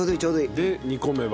で煮込めば。